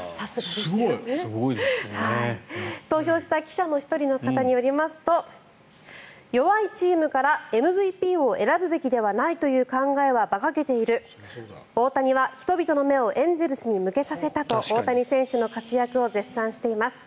すごい！投票した記者の１人によりますと弱いチームからＭＶＰを選ぶべきではないという考えは馬鹿げている大谷は人々の目をエンゼルスに向けさせたと大谷選手の活躍を絶賛しています。